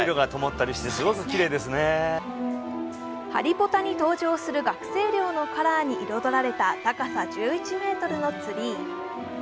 ハリポタに登場する学生寮のカラーに彩られた高さ１１ｍのツリー。